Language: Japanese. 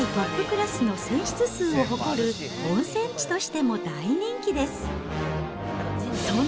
また、国内トップクラスの泉質数を誇る温泉地としても大人気です。